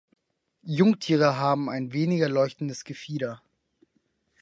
Jungtiere haben ein weniger leuchtendes Gefieder.